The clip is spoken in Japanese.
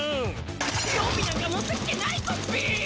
予備なんか持ってきてないコピー！